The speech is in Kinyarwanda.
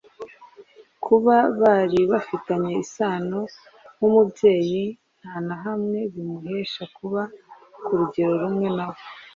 Kuba bari bafitanye isano nk’umubyeyi nta na hamwe bimuhesha kuba ku rugero rumwe na we.